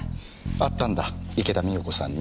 会ったんだ池田美代子さんに。